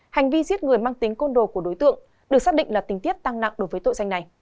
hành vi giết người mang tính côn đồ của đối tượng được xác định là tình tiết tăng nặng đối với tội danh này